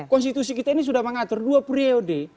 konstitusi kita ini sudah mengatur dua periode